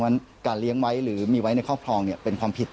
เพราะฉะนั้นการเลี้ยงไว้หรือมีไว้ในครอบครองเป็นความผิด